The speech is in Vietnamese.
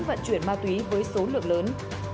vận chuyển ma túy với số lượng lớn